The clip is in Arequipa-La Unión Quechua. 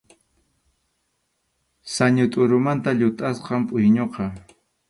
Sañu tʼurumanta llutʼasqam pʼuyñuqa.